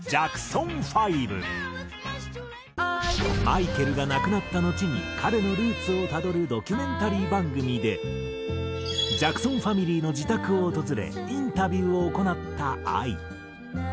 マイケルが亡くなったのちに彼のルーツをたどるドキュメンタリー番組でジャクソン・ファミリーの自宅を訪れインタビューを行ったＡＩ。